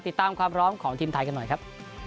ติดตามความพร้อมของทีมไทยกันหน่อยครับ